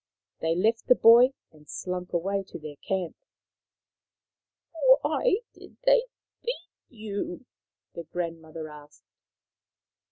They left the boy and slunk away to their camp. 11 Why did they beat you ?" the grandmother asked.